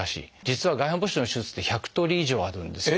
実は外反母趾の手術って１００通り以上あるんです。